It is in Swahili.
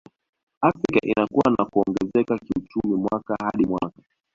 Afrika inakua na kuongezeka kiuchumi mwaka hadi mwaka